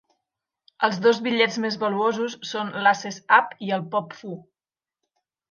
Els dos bitllets més valuosos són l'Aces Up i el Pop Fu.